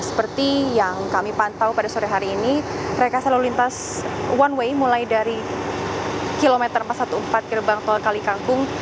seperti yang kami pantau pada sore hari ini rekasa lalu lintas one way mulai dari kilometer empat ratus empat belas gerbang tol kalikangkung